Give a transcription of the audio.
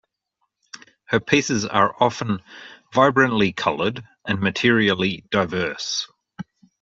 Her pieces are often vibrantly colored and materially diverse.